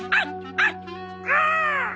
ああ！